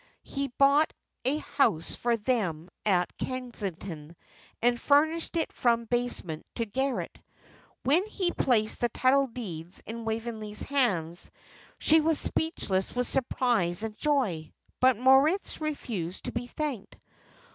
He bought a house for them at Kensington and furnished it from basement to garret. When he placed the title deeds in Waveney's hands, she was speechless with surprise and joy. But Moritz refused to be thanked.